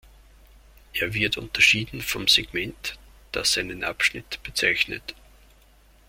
Er wird unterschieden vom Segment, das einen Abschnitt bezeichnet.